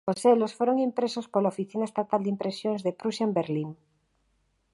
Os selos foron impresos pola Oficina Estatal de Impresións de Prusia en Berlín.